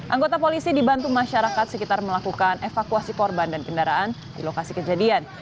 anggota polisi dibantu masyarakat sekitar melakukan evakuasi korban dan kendaraan di lokasi kejadian